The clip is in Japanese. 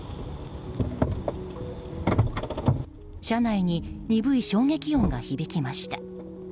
車内に鈍い衝撃音が響きました。